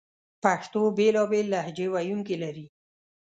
پښتو بېلابېل لهجې ویونکې لري